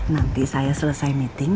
nanti saya selesai meeting